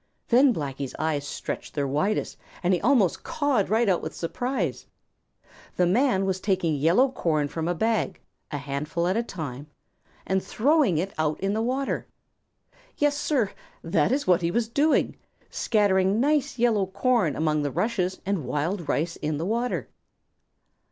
Then Blacky's eyes stretched their widest and he almost cawed right out with surprise. The man was taking yellow corn from a bag, a handful at a time, and throwing it out in the water. Yes, Sir, that is what he was doing, scattering nice yellow corn among the rushes and wild rice in the water!